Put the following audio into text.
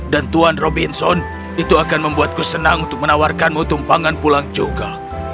dan tuan robinson itu akan membuatku senang untuk menawarkanmu tumpangan pulang juga